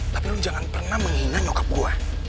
tapi lo jangan pernah menghina nyokap gue